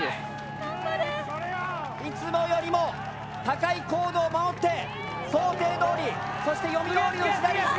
頑張れ！いつもよりも高い高度を守って想定どおりそして読みどおりのフライト。